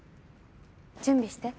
準備して。